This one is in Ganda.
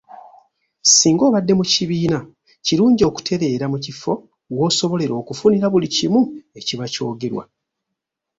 Singa obadde mu kibiina; kirungi okutereera mu kifo w’osobolera okufunira buli kimu ekiba kyogerwa.